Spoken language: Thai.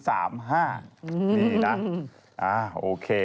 นี่นะโอเค